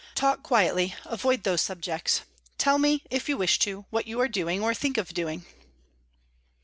Talk quietly; avoid those subjects; tell me, if you wish to, what you are doing or think of doing."